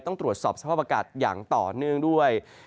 ต้องตรวจสอบสภาพอากาศอย่างต่อเนื่องด้วย